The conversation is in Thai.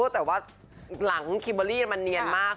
แต่ว่าหลังคิมเบอร์รี่มันเนียนมาก